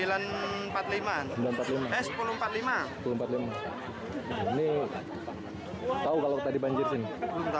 ini tau kalau tadi banjir sih